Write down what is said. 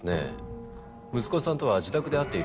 息子さんとは自宅で会っているはずですが。